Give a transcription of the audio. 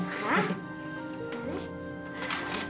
hah gini gini gini